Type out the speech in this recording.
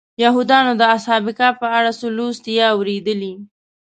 یهودیان د اصحاب کهف په اړه څه لوستي یا اورېدلي.